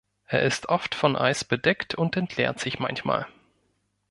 Er ist oft von Eis bedeckt und entleert sich manchmal.